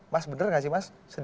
mas bener gak sih mas